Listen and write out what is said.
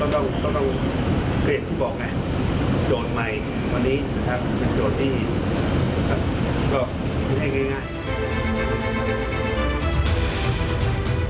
วันนี้เป็นโจทย์ที่ครับก็ไม่ง่าย